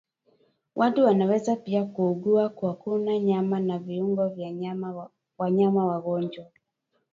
watu wanaweza pia kuugua kwa kula nyama na viungo vya wanyama wagonjwa